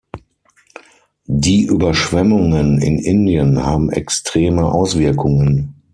Die Überschwemmungen in Indien haben extreme Auswirkungen.